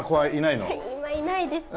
今いないですね。